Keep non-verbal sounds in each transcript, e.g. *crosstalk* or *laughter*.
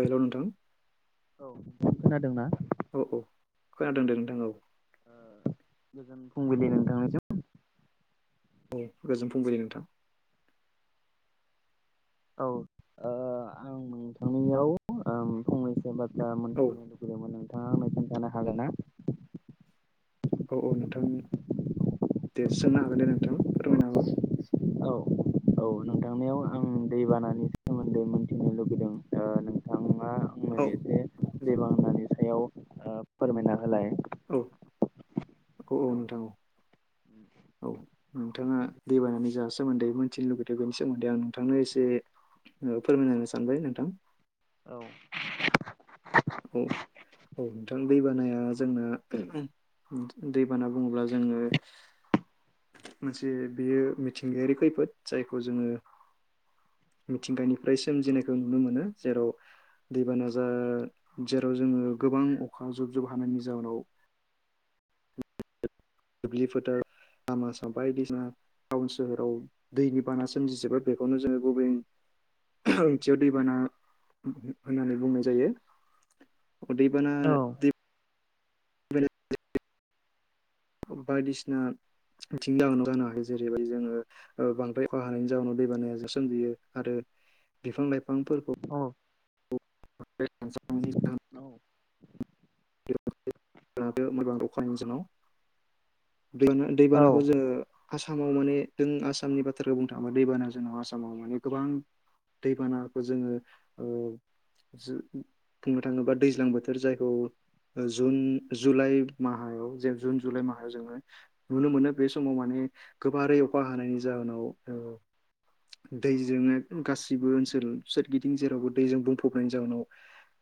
हेल नोंथां औ नोंथां खोनादोंना औ औ खोनादों दे नोंथां औ ए गोजोन फुंबिलि नोंथांनिसम औ गोजोन फुंबिलि नोंथां औ ओ आं नोंथांनियावं ओम फंनैसो सोर बाथ्रा औ मिथिनो लुबैदोंमोन नोंथाङा आंनो खोनन्थानो हागोन ना औ औ नोंथां दे सोंनो हागोन दे नोंथां फोरमायनो हागौ औ औ नोंथांनियाव आं दै बानानि दै मोनथिनो लुबैदों ओ नोंथां हाय आंनो औ एसे दै बानानि सायाव ओ फोरमायना होलाय औ औ औ औ नोंथां औ औ नोंथाङा दैबानानि जा सोमोन्दै मिथिनो लुुबैदों बेनि सोमोन्दै आं नोंथांनो एसे फोरमायनो सानबाय नोंथां। औ। औ औ नोंथां दैबानाया जोंना उहु दैबाना बुङोब्ला जोङो मोनसे बेयो मिथिंगायारि खैफोद जायखौ जोङो। मिथिंगानिफ्राय सोमजिनायखौ नुनो मोनो जेराव दैबाना जा। जेराव जोङो गोबां अखा जुब जुब हानायनि जाउनाव। दुब्लि फुटार लामा साम बायदिसिना टाउन सोहोराव दैनि बाना सोमजिजोबो बेखौनो जोङो गुबैय ओंथियाव दैबाना होननानै बुंनाय जायो। दै बाना दिप बायदिसिना बिथिंनि जाहोनाव जानो हायो जेरैबायदि जोङो बांद्राय खा हानायनि जाहोनाव दैबानायाजों सोमजियो आरो। बिफां लाइफांफोरखौ औ *inaudible* *inaudible* दै औ दैबानाखौ जोङो आसामाव माने जों आसामनि बाथ्राखौ बुंनो थाङोबा दैबाना जोंनाव आसामाव माने गोबां। दैबानाखौ जोङो ओ। बुंनो थाङोबा दैज्लां बोथोर जायखौ जुन जुलाइ माहायाव जे जुन जुलाइ माहायाव जोङो नुनो मोनो बे समाव माने गोबारै अखा हानायनि जाहोनाव। दैजों गासिबो ओनसोल सोरगिदिं जेरावबो दैजों बुंफ प्रब्लेनि जउनाव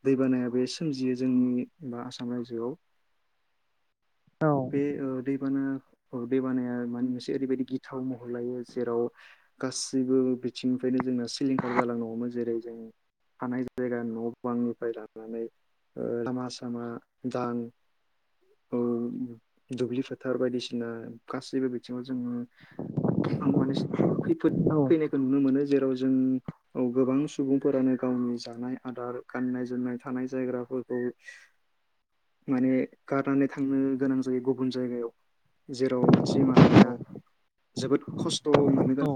दैबानायाब बे सोमजियो जोंनि बा आसाम रायजोआव। बे ओ दै बाना दै बानाया मोनसे ओरैबायदि गिथाव महर लायो जेराव गाससिबो बिथिंनिफ्रायनो। जोंना सिलिंखार जालांनो होन जेरै जों हानाय जायगा न' बांनिफ्राय लानानै लामा सामा दां औ दुब्लि फोथार बायदिसिना गासैबो बिथिङाव जोङो आं माने खैफोद फैनायखौ नुनो मोनो जेराव जों गोबां सुबुंफोरानो गावनि जानाय आदार गाननाय जोमनाय थानाय जायगाफोरखौ। माने गारनानै थांनो गोनां जायो गुबुन जायगायाव। जेराव मानसि माहारिया जोबोद खस्थ' मोननो गोनां।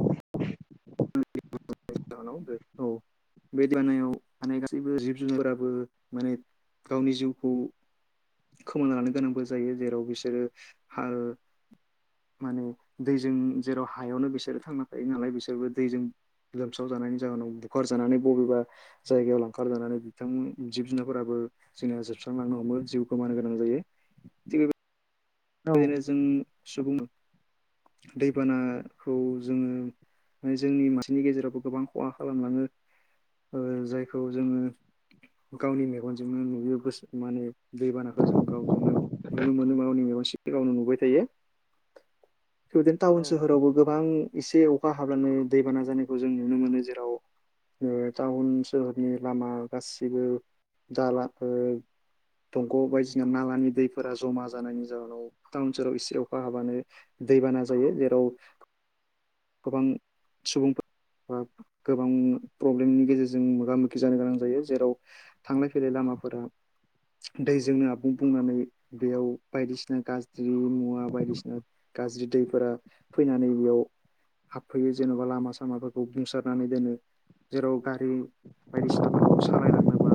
जाहोनाव बे औ *inaudible* बे दै बानायाव थानायानाय गासैबो जिब जुनारफोराबो माने गावनि जिउखौ खोमोनना लानो गोनांबो जायो जेराव बिसोरो हाल माने दैजों जेराव हायावनो बिसोरो थांना थायो नालाय बिसोरबो दैजों लोमसाव जानायनि जाहोनाव बुखारजानानै बबेबा जायगायाव लांखार जानानै बिथां जिब जुनार फोराबो जोंना जोबस्रांलांनो हमो जिउखौमनो गोनां जायो, थिग बा औ बेबायदिनो जों सुबुं दैबानाखौ जोङो जोंनि मानसिनि गेजेरावबो गोबां खहा खालामलाङो जायखौ जोङो गावनि मेगनजोंनो नुयो गोसो माने दैबानाखौ जों गावजोंनो नुनो मोनो गावनि मेगन सि गावनो नुबाय थायो *inaudible* थिदिनो टाउन सोहोरावबो गोबां एसे अखा हाब्लानो दैबाना जानायखौ जों नुनो मोनो जेराव ओ टाउन सोहोरनि लामा गासिबो दला ओ दंग बायदिसिना नालानि दैफोरा जमा जानायनि जाहोनाव टाउन सहाव इसे अखा हाबानो दैबाना जायो जेराव गोबां सुबुंफो गोबां प्रब्लेमनि गेजेरजों मोगा मोगि जानो गोनां जायो जेराव थांलाय फैलाय लामा फोरा दैजोंनो आबुं बुंनानै बेयाव बायदिसिना गाज्रि मुवा बायदिसिना गाज्रि दै फोरा फैनानै बेयाव हाबफैयो जेनबा लामा सामाफोरखौ बुंसारनानै दोनो जेराव हारि बायदिसिनाफोरखौ सालायलांनोबा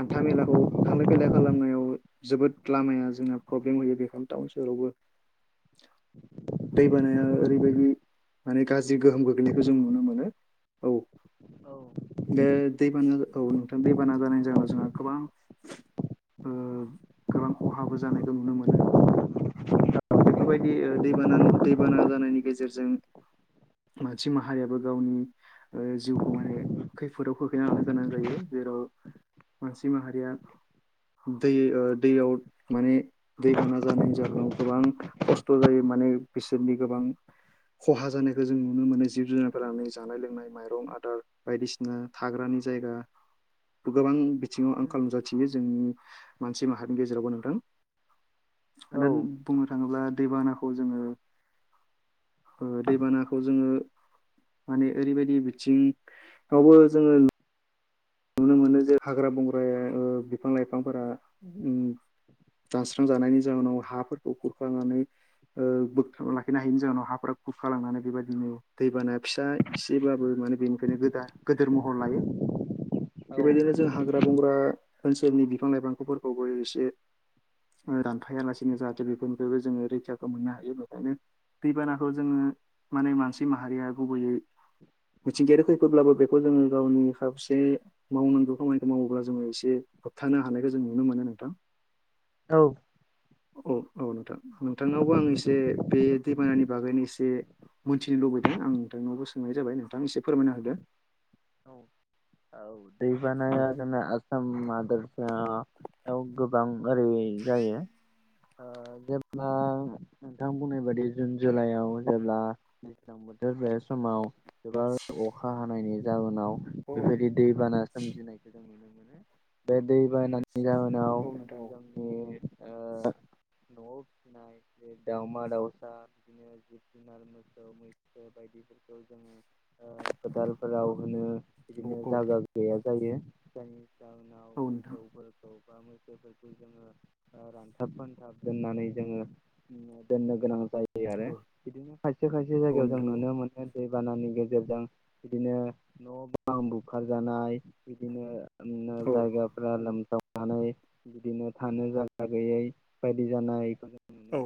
हान्था मेलाखौ थांलाय फैलाय खालामनायाव जोबोद ला लामाया जोंना प्रब्लेम होयो बेफां टाउन सहरावबो *inaudible* दै बानाया ओरैबायदि माने गाज्रि गोहोम गोग्लैनायखौ जों नुनो मोनो औ, बे दैबाना औ नोंथां दैबाना जानायनि औ जाहोनाव जोंहा गोबां गोबां खहाबो जानायखौ नुनो मोनो बेफोरबायदि दैबान दैबाना जानायनि गेजेरजों *inaudible* मानसि माहारियाबो गावनि जिउखौ माने खैफोदाव खोखैना लानो गोनां जायो जेराव मानसि माहारिया दै दैयाव माने दैबाना जानायनि जाहोनाव गोबां खस्थ जायोमो माने बिसोरनि गोबां *inaudible* खहा जानायखौ जों नुनो मोनो जिब जुनारफोरानो जानाय लोंनाय माइरं आदार बायदिसिना थाग्रानि जायगा *inaudible* गोबां बिथिङाव औ आंखाल नुजाथियो जोंनि मानसि माहारिनि गेजेरावबो नोंथां औ हादाननि बुंनो थाङोब्ला दैबानाखौ जोङो दैबानाखौ जोङो माने ओरैबायदि बिथिंयाबो जोंङो नुनो मोनो जे हाग्रा बंग्राया बिफां लाइफांफोरा दानस्रां औ जानायनि जाउोनाव हाफोरखौ खुरखानानै बोगथाबना लाखिनो हायिनि जाहोनाव हाफोरा खुरखा लांनानै बेबायदिनो दैबाना फिसा एसेबाबो मोनो बेनिफ्रायनो गोदा गेदेर महर लायो बेबायदिनो औ जों हाग्रा बंग्रा ओनसोलनि बिफां लाइफांखौफोरखौबो एसे दानफायालासिनो जाहाथे बेफोरनिफ्रायबो जोङो रैखाखौ मोननो हायो बेखायनो दैबानाखौ जोङो माने मानसि माहारिया गुबैयै मिथिंगायारि खोयफोद ब्लाबो बेखौ जोङो गावनि हि ज मावनांगौ खामानिखौ मावोब्ला जोङो एसे होबथानो हानायखौ जों नुनो मोनो नोंथां औ औ औ नोंथां नोंथांनावबो आं एसे बे दैबानानि बागैनो एसे मोनथिनो लुबैदों आं नोंथांनावबो सोंनाय जाबाय नोंथां एसे फोरमायना होदो *inaudible* औ औ दैबानाया जोंना आसम हादरसा औ गोबां ओरैयै जायो ओ जेब्ला नोंथां बुंनाय बायदि जुन जुलाइआव जेब्ला दैज्लां बोथोर बे समाव गोबां अखा हानायनि जाहोनाव औ बेबायदि दैबाना सोमजिनायखौ जों नुनो *inaudible* बे दै बानि जाहोनाव औ नोंथां जोंनि ओ नआव फिसिनाय बे दावमा दाउसा बिदिनो जिब जुनार मोसौ मैसो बायदिफोरखौ जोङो फोदालफोराव बोनो औ बिदिनो औ जागा गैया जायो जायनि जाहोनाव औ मोसौफोरखौ बा मोसौफोरखौ जोङो आ रानथाब फानथाब दोननानै जोङो दोन्नो गोनां जायो दै आरो बिदिनो खायसे खायसे औ जायगायाव जों नोंथां नुनो मोनो दैबानानि गेजेरजों बिदिनो न बां बुखार जानाय बिदिनो ओ औ जायगाफ्रा लोमसाव नानै बिदिनो थानो जायगा गैयै बायदि जानाय ख औ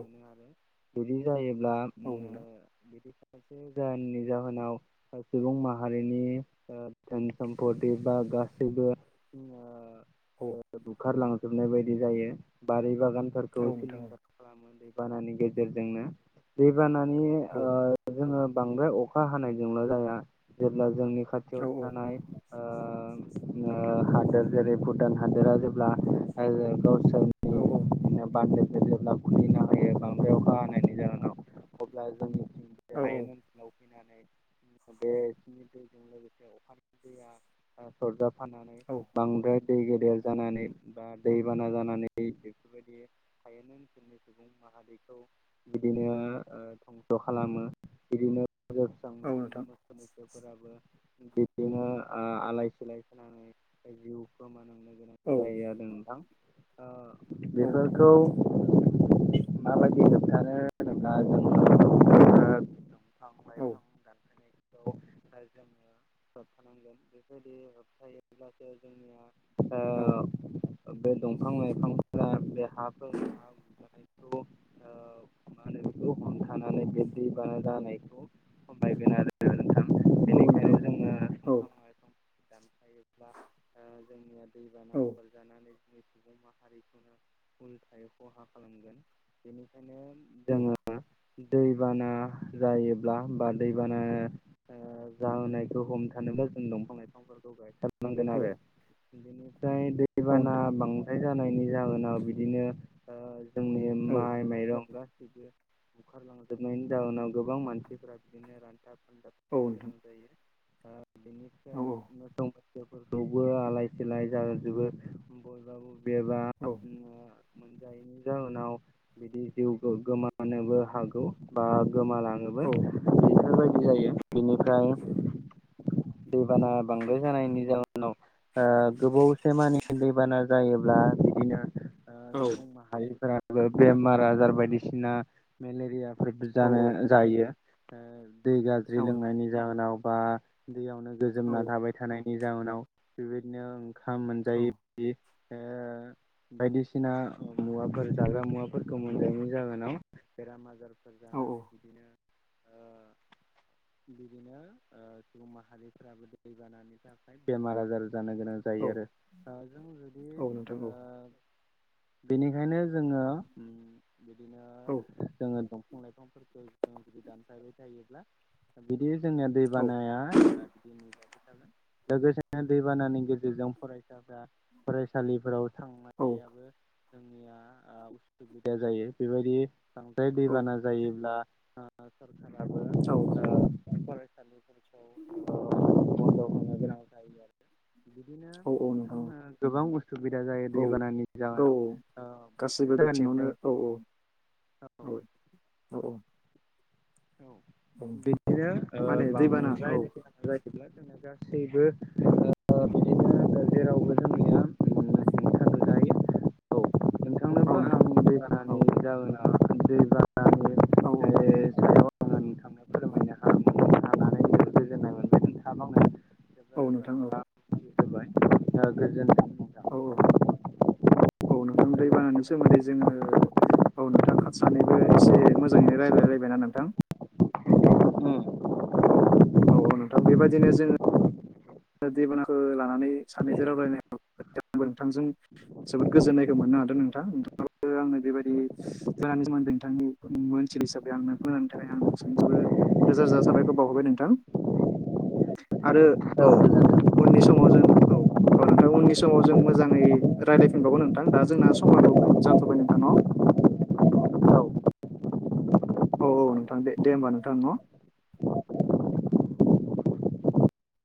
बिदि जायोब्ला नोंथां ओो बिदि ससे जाहोननि जाहोनाव ह सुबुं माहारिनि ओ धेन सम्पति बा गासैबो ङो औ ओ बुखारलांजोबनाय बायदि जायो बारि बागानफोरखौ औ नोंथां औ सिलिंखार खालामो दै बानानि गेजेरजोंनो दै बानानि ओ जोङो बांद्राय अखा हानायजोंल जाया जेब्ला जोंनि औ नोंथां खाथियाव थानाय ओ ङो हादोर जेरै भुटान हादोरा जेब्ला औ गावसोरनि औ नो बानडो जे जेब्ला खुलिना होयो बांद्राय अखा हानायायनि जाहोनाव अब्ला जोंनि *inaudible* हायेन ओनसोलाव फैनानै *inaudible* बेनि दैजों *inaudible* लोगो *inaudible* अखानि दैया ओ सरजा फाननानै औ बांद्राय दै गेदेर जानानै बा दैबाना जानानै बेफोरबायदि हायनि ओनसोलनि सुबुं माहारिखौ बिदिनो धंस खालामो बिदिनो *inaudible* बजोरस्रांनो औ हमो नोंथां औ नोंथां औ नोंथां मोसौ मैसोफोराबो बिदिनो आलाय सिलाय होनानै जिउ खोमानो होनो गोनां औ जायो आरो नोंथां ओ बेफोरखौ माबादि होबथानो होनोब्ला जोङो *inaudible* बिफां लाइफां दानफायनायखौ ओ जोङो होबथानांगोन बेबायदि होबथायोब्लासो जोंनिया ओ ओ बे दंफां लाइफांफोरा बे हाफोर हा गुजानायखौ ओ मा होनो बेखौ हमथानानै बे दैबाना जानायखौ खमायगोन आरो नोंथां औ नोंथां बेनिखायनो जोङो औ दंफां लाइफां दानफायोब्ला जोंनिया दैबाना औ हरजानानै सुबुं माहारिखौनो उल थायोै खहा खालामगोन बेनिखायनो जोङो दैबाना जायोब्ला बा दैबाना ओ जाहोनाय खौ हमथानोनो जों दंफां लाइफांफोरखौ गायथारनांगोन औ आरो बिदिनो जाय औ दैबाना नोंथां बांद्राय जानायनि जाहोनाव बिदिनो ओ जोंनि औ माइ माइरंबो गा- *inaudible* बुखारलांजोबनायनि जाउनाव गोबां मानसिफोरा बिदिनो रानथाब *inaudible* औ गोनां नोंथां जायो आ बिनिफ्रा औ मोसौ फोरखौबो आलाय सिलाय जाहोजोबो बयबाबो बेबा औ मोनजायैनि जाहोनाव बिदि जिउ गो गोमानोबो हागौ बा गोमालाङोबो बेफोरबायदि जायो बिनिफ्राय दैबाना बांद्राय जानायनि जाहोनाव गोबावसे मानि दैबाना जायोब्ला बिदिनो ओ औ सुबुं माहारिफोरा बेमार आजार बायदिसिना मेलेरियाफोरबो औ जानो जायो। दै गाज्रि औ नोंथां लोंनायनि जाहोनाव बा दैयावनो औ गोजोमना थाबाय थानायनि निनि जउोनाव बेबायदिनो ओंखाम औ मोनजायो बि बायदिसिना मुवाफोर जाग्रा मुवाफोरखौ मोनायनायनि जाहोनाव बेमार माजार फोर औ जानानै बिदिनो बिदिनो सुबुं माहारिफ्राबो दैबानानि थाखाय बेमार आजार जानो गोनां औ जायो आरो जों जुदि औ नोंथां औ बेनिखायनो जोङो बिदिनो औ जोङो दंफां लाइफांफोरखौ जु दानफाबाय थायोब्ला बिदि जोंनिया औ दैबानाया बि थोन लोगोसेनो दैबानानि गेजेरजों फरायसाफ्रा फरायसालिफोराव औ थांनायाबो जोंनिया उसुबिदा जायो बेबायदि बांद्राय दैबाना जायोब्ला सरखाराबो ओ फरायसालिफोरखौ बन्द' होनो गोनां जायो आरो। बिदिनो औ जोंहा नोंथां औ गोबां उसुबिदा जायो औ दैबानानि औ जाहोनाव ओ बे गासैबो बिथिङावनो जायगानिफ्राय औ औ औ औ औ। औ औ बिदिनो माने दैबाना बांद्राय औ दैबाना जाब्ला जोंना गासैबो बिदिनो जेरावबो जों निया नो हायो औ। औ नोंथांनोबो आं नोंथां दैबानि जाहोनाव दैबानि औ औ। फोरमायनो हानानै गोजोननाय मोनबाय। जोबोर औ बाथ्रा नोंथां औ मिथि होबाय गोजोननाय थाबाय। औ औ। नोंथां दै गोजोननाय बानानि थाबाय। सोमोन्दै जोङो औ नोंथां खाथ सानैबो एसे मोजाङैनो रायज्लाय लायबायना नोंथां? औ औ औ औ नोंथां बेबायदिनो जोङो दै- दैबनाखौ लानानै सानैजों रायलायनायाव आंबो नोंथांजों जोबोद गोजोन्नायखौ मोननो हादों नोंथां नोंथां। आंनो बेबायदि खानि सोमोन्दै नोंथांनि मानसि हिसाबै आंनो खोनानो थाखाय आं नोंनिबो रोजा रोजा साबायखौ बावहरबाय नोंथां आरो औ गोजोनथों। उननि समाव जों औ औ नोंथां उननि समाव जों मोजाङै रायज्लायफिनबावगोन नोंथां दा जोंना समाबो जाथ'बाय नोंथां न औ। औ औ नोंथां दे दे होमबा नोंथां न